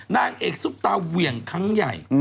นางเอกซุปตาเหวี่ยงครั้งใหญ่